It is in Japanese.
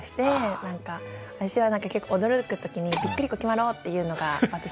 私は結構驚く時に「びっくりこきまろ」って言うのが私の。